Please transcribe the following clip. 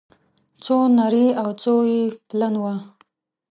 څو نري او څو يې پلن وه